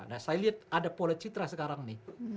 nah saya lihat ada pola citra sekarang nih